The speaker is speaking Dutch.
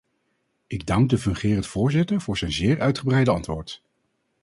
Ik dank de fungerend voorzitter voor zijn zeer uitgebreide antwoord.